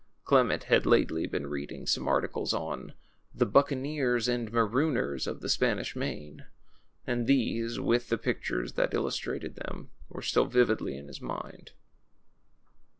Clement had lately been reading some articles on The Buccaneers and Marooners of the Spanish Main ;" and these, with the pictures that illustrated them, were still vividly in his mind.